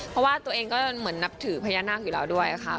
เพราะว่าตัวเองก็เหมือนนับถือพญานาคอยู่แล้วด้วยค่ะ